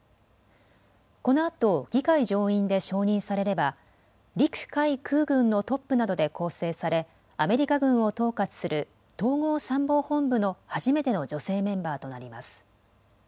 このあと議会上院で承認されれば陸・海・空軍のトップなどで構成されアメリカ軍を統括する統合参謀本部の初めての女性メンバーとなります。